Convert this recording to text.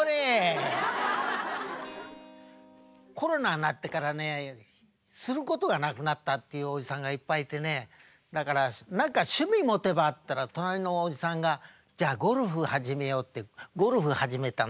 コロナになってからねすることがなくなったっていうおじさんがいっぱいいてねだから「何か趣味持てば？」って言ったら隣のおじさんが「じゃあゴルフ始めよう」ってゴルフ始めたの。